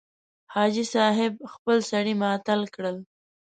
حاجي صاحب خپل سړي معطل کړل.